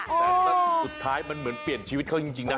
แต่สุดท้ายมันเหมือนเปลี่ยนชีวิตเขาจริงนะ